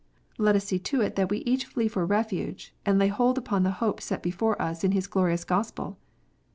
Let us see to it that we each flee for refuge, and lay hold upon the hope set before us in His glorious Gospel.